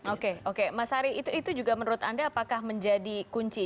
oke oke mas ari itu juga menurut anda apakah menjadi kunci